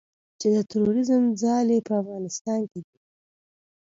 چې د تروریزم ځالې په افغانستان کې دي